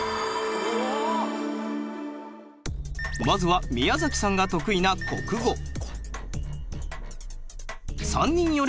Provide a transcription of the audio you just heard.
まずは宮崎さんが得意な国語。